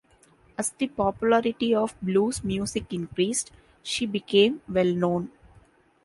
As the popularity of blues music increased, she became well known.